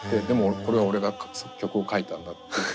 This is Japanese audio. でもこれは俺が曲を書いたんだって。